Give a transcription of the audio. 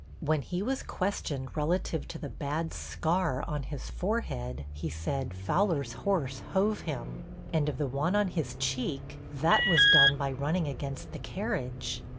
When he was questioned relative to the bad scar on his forehead, he said, 'Fowler's horse hove him.' And of the one on his cheek, 'That was done by running against the carriage.'